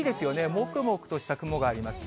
もくもくとした雲があります。